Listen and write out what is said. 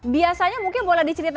biasanya mungkin boleh dicerita